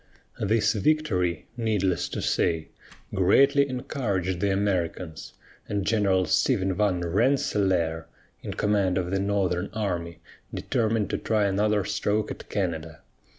This victory, needless to say, greatly encouraged the Americans, and General Stephen van Rensselaer, in command of the northern army, determined to try another stroke at Canada.